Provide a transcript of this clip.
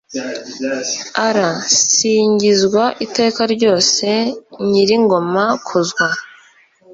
r/ singizwa iteka ryose, nyir'ingoma kuzwa